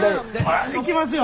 ほら行きますよ。